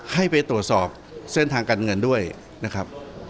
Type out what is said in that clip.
ให้ไปตรวจสอบเส้นทางการเงินด้วยนะครับ